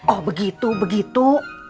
oh begitu begitu